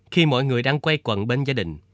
khi mọi người đang quay quận bên gia đình